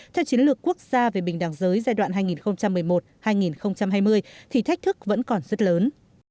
theo chiến lược quốc gia về bình đẳng giới giai đoạn hai nghìn một mươi một hai nghìn hai mươi thì thách thức vẫn còn rất lớn